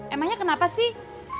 emangnya kenapa sih